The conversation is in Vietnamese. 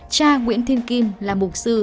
cha nguyễn thiên kim là một sư